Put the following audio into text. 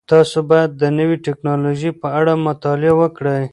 تاسو باید د نوې تکنالوژۍ په اړه مطالعه وکړئ.